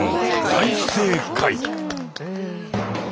大正解！